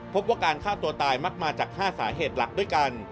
พบว่าการฆ่าตัวตายมักมาจาก๕สาเหตุหลักด้วยกัน